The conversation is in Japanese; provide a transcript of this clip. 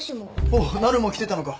おっなるも来てたのか。